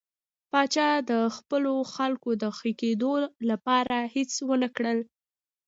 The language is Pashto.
پاچا د خپلو خلکو د ښه کېدو لپاره هېڅ ونه کړل.